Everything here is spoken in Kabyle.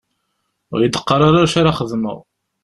Ur yi-d-qqar ara acu ara xedmeɣ!